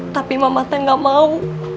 tapi mama teng gak mau